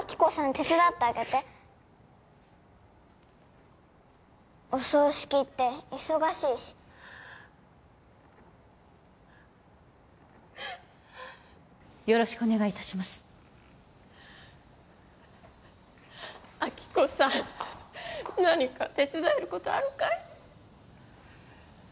手伝ってあげてお葬式って忙しいしよろしくお願いいたします亜希子さん何か手伝えることあるかい？